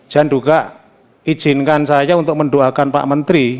jangan juga izinkan saya untuk mendoakan pak menteri